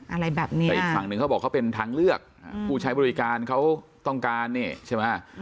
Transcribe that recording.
อะไรแบบนี้แต่อีกฝั่งหนึ่งเขาบอกเขาเป็นทางเลือกผู้ใช้บริการเขาต้องการนี่ใช่ไหม